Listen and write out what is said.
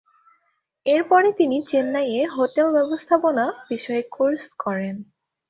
এর পরে তিনি চেন্নাইয়ে হোটেল ব্যবস্থাপনা বিষয়ে কোর্স করেন।